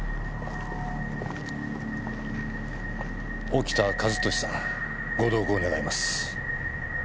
沖田一俊さんご同行願います。